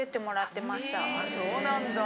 そうなんだ。